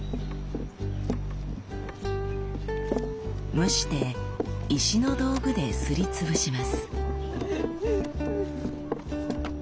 蒸して石の道具ですりつぶします。